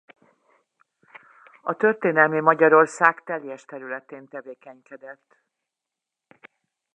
A történelmi Magyarország teljes területén tevékenykedett.